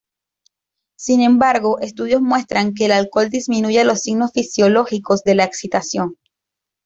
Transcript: Sin embargo, estudios muestran que el alcohol disminuye los signos fisiológicos de la excitación.